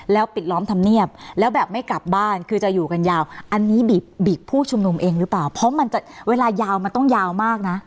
แล้วปิดล้อมธรรมเนียบแล้วแบบไม่กลับบ้านคือจะอยู่กันยาวอันนี้บีบผู้ชุมนุมเองหรือเปล่าเพราะมันจะเวลายาวมันต้องยาวมากนะ